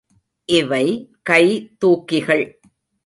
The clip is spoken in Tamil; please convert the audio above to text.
இவை கை தூக்கிகள்!